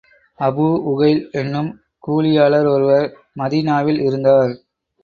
Abu Ukail என்னும் கூலியாளர் ஒருவர் மதீனாவில் இருந்தார்.